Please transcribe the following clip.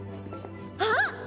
あっ！